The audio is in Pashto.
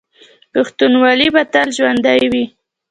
پښتونولي به تل ژوندي وي.